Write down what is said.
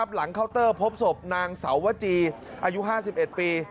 เคาน์เตอร์พบศพนางสาววจีอายุ๕๑ปี